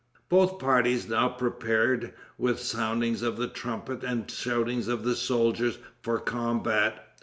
Both parties now prepared, with soundings of the trumpet and shoutings of the soldiers, for combat.